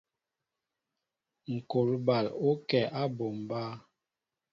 Ŋkɔl bal ó kɛ á mɓombá.